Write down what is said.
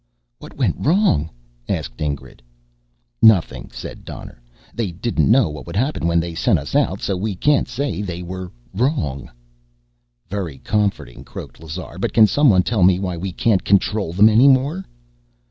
"What went wrong?" asked Ingrid. "Nothing," said Donner. "They didn't know what would happen when they sent us out, so we can't say they were wrong." "Very comforting," croaked Lazar. "But can someone tell me why we can't control them any more?"